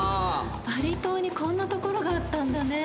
バリ島にこんな所があったんだね。